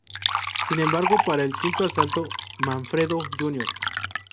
Sin embargo, para el quinto asalto, Manfredo, Jr.